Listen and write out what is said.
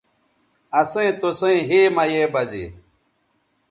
اسئیں توسئیں ھے مہ یے بزے